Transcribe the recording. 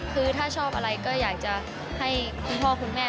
คือถ้าชอบอะไรก็อยากจะให้คุณพ่อคุณแม่